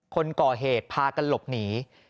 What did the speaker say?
คนก่อเหตุพากันหลบหนี